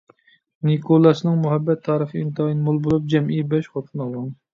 نىكولاسنىڭ مۇھەببەت تارىخى ئىنتايىن مول بولۇپ، جەمئىي بەش خوتۇن ئالغان.